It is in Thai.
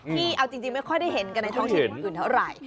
ที่เอาจริงไม่ค่อยได้เห็นกันในท้องถิ่นอื่นเท่าไหร่